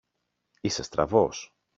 Είσαι στραβός!